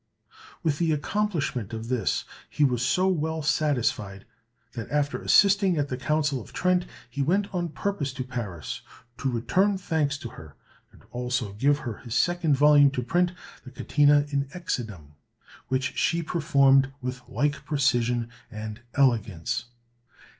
With the accomplishment of this, he was so well satisfied, that, after assisting at the Council of Trent, he went on purpose to Paris to return thanks to her, and also gave her his second volume to print, the "Catena in Exodum," which she performed with like precision and elegance.